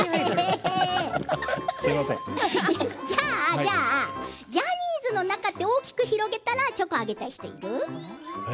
じゃあジャニーズの中で大きく広げたらあげたい人いる？